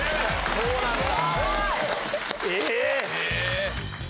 そうなんだ。